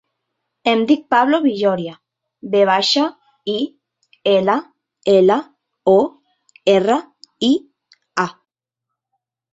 Em dic Pablo Villoria: ve baixa, i, ela, ela, o, erra, i, a.